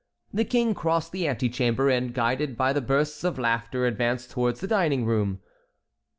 The King crossed the antechamber, and guided by the bursts of laughter advanced towards the dining room.